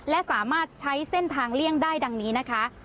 และสามารถใช้เส้นทางเลี่ยงได้ดังนี้นะคะ